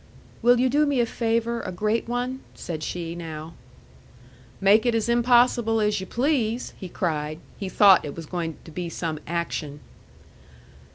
"Will you do me a favor, a great one?" said she, now. "Make it as impossible as you please!" he cried. He thought it was to be some action.